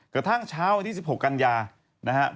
กระทั่งเช้าวันที่๑๖กันยานะครับ